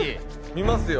見ますよ。